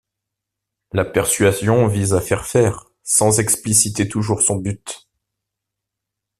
La persuasion vise à faire faire, sans expliciter toujours son but.